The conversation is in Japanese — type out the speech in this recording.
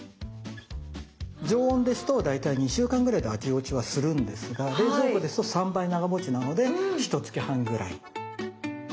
常温ですと大体２週間ぐらいで味落ちはするんですが冷蔵庫ですと３倍長もちなのでひとつき半ぐらい。